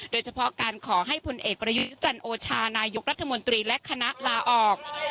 โดยเฉพาะการขอให้พลเอกประยุจันโอชานายกรัฐมนตรีและคณะลาออก